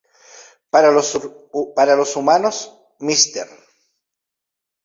Para los humanos, Mr.